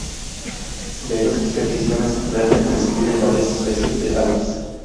De esas expediciones, Mertens describe varias especies de algas.